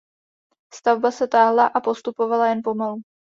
Stavba se táhla a postupovala jen pomalu.